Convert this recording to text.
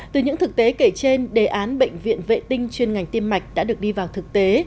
từ những thực tế kể trên đề án bệnh viện vệ tinh chuyên ngành tiêm mạch đã được đi vào thực tế